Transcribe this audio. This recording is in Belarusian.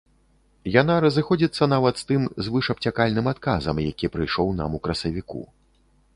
Яна разыходзіцца нават з тым звышабцякальным адказам, які прыйшоў нам у красавіку.